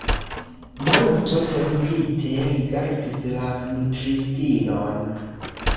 Maluto terurite rigardis la nutristinon.